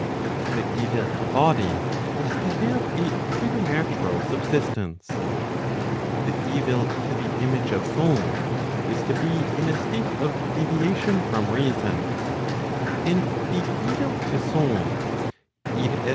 The evil to body is to have a preternatural subsistence; the evil to the image of soul is to be in a state of deviation from reason; and the evil to soul [i.